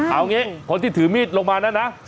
เอางี้คนที่ถือมีดลงมานะ